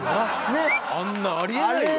あんなのありえないよ。